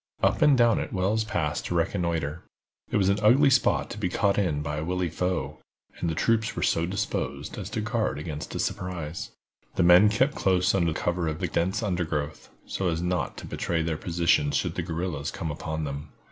Up and down it Wells passed to reconnoiter. It was an ugly spot to be caught in by a wily foe, and the troops were so disposed as to guard against a surprise. The men kept close under cover of the dense undergrowth, so as not to betray their position should the guerrillas come upon them.